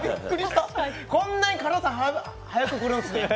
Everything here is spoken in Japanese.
こんなに辛さ早くくるんですね。